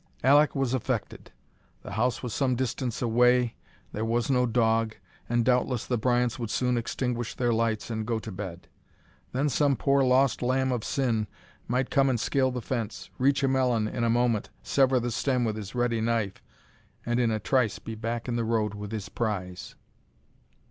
Alek was affected. The house was some distance away, there was no dog, and doubtless the Bryants would soon extinguish their lights and go to bed. Then some poor lost lamb of sin might come and scale the fence, reach a melon in a moment, sever the stem with his ready knife, and in a trice be back in the road with his prize.